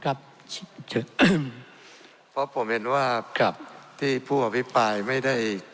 ครับเพราะผมเห็นว่ากับที่ผู้อภิปรายไม่ได้